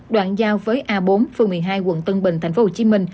đoạn giao với a bốn phương một mươi hai quận tân bình tp hcm